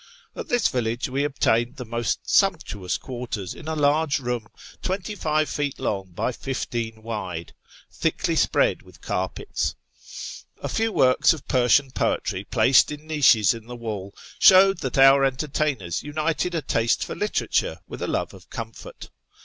At this village we obtained the most sumptuous quarters in a large room, twenty five feet long by fifteen wide, thickly spread with carpets, A few works of Persian poetry, placed in niches in the wall, showed that our entertainers united a taste for literature with a love of comfort.